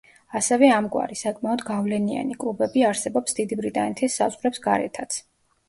ასევე ამგვარი, საკმაოდ გავლენიანი, კლუბები არსებობს დიდი ბრიტანეთის საზღვრებს გარეთაც.